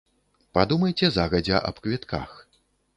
Падумайце загадзя аб квітках.